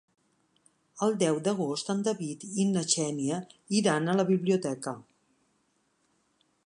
El deu d'agost en David i na Xènia iran a la biblioteca.